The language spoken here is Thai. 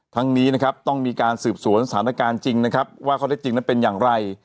ทั้งนี้นะครับต้องมีการสืบสวนสถานการณ์จริงนะครับว่าข้อเท็จจริงนั้นเป็นอย่างไร